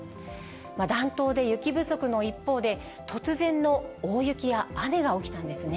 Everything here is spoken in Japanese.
暖冬で雪不足の一方で、突然の大雪や雨が起きたんですね。